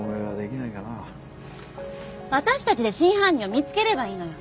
私たちで真犯人を見つければいいのよ。